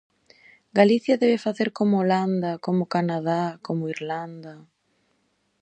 Galicia debe facer como Holanda, como Canadá, como Irlanda...?